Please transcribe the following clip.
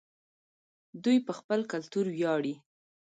دوی په خپل کلتور ویاړي.